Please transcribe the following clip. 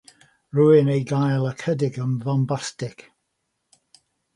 Rwy'n ei gael ychydig yn fombastig.